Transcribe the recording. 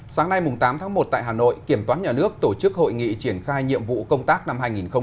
sáng nay tám tháng một tại hà nội kiểm toán nhà nước tổ chức hội nghị triển khai nhiệm vụ công tác năm hai nghìn hai mươi